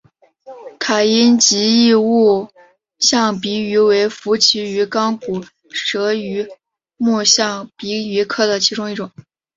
卡因吉异吻象鼻鱼为辐鳍鱼纲骨舌鱼目象鼻鱼科的其中一种。